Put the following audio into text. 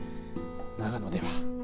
長野では。